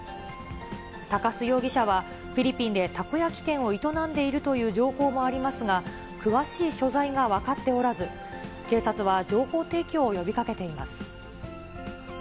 鷹巣容疑者は、フィリピンでたこ焼き店を営んでいるという情報もありますが、詳しい所在が分かっておらず、警察は情報提供を呼びかけています。